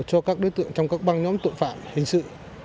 cho các đối tượng trong các băng nhóm tội phạm hình sự